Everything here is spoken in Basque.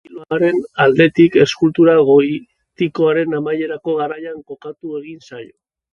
Estiloaren aldetik eskultura gotikoaren amaierako garaian kokatu egin zaio.